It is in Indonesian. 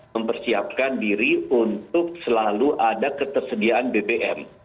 mempersiapkan diri untuk selalu ada ketersediaan bbm